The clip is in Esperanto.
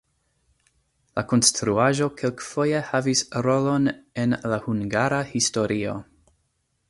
La konstruaĵo kelkfoje havis rolon en la hungara historio.